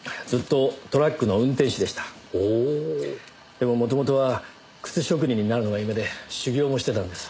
でも元々は靴職人になるのが夢で修業もしてたんです。